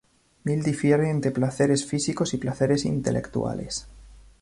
Mill difiere entre placeres físicos y placeres intelectuales.